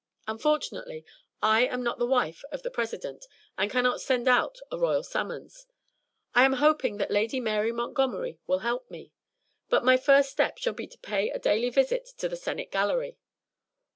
Unfortunately I am not the wife of the President and cannot send out a royal summons. I am hoping that Lady Mary Montgomery will help me. But my first step shall be to pay a daily visit to the Senate Gallery."